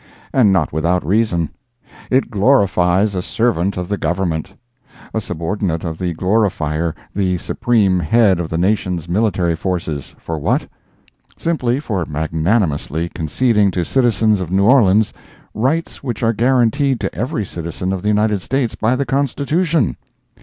And not without reason. It glorifies a servant of the Government!—a subordinate of the glorifier, the supreme head of the nation's military forces—for what? Simply for magnanimously conceding to citizens of New Orleans rights which are guaranteed to every citizen of the United States by the Constitution!